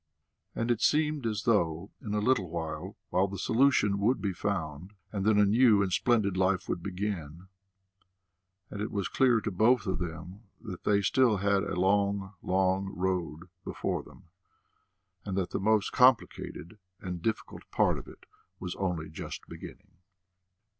And it seemed as though in a little while the solution would be found, and then a new and splendid life would begin; and it was clear to both of them that they had still a long, long road before them, and that the most complicated and difficult part of it was only just beginning.